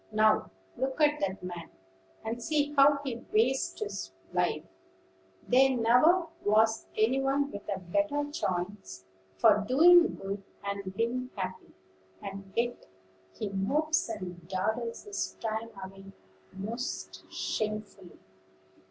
Now, look at that man, and see how he wastes his life. There never was any one with a better chance for doing good, and being happy; and yet he mopes and dawdles his time away most shamefully."